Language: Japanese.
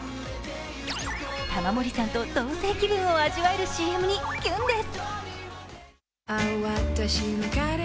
玉森さんと同せい気分を味わえるＣＭにキュンです。